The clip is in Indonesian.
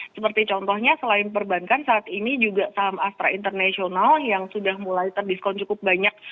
seperti contohnya selain perbankan saat ini juga saham astra international yang sudah mulai terdiskon cukup banyak